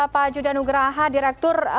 pak judanugraha direktur